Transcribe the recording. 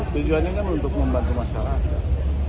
tujuannya kan untuk membantu masyarakat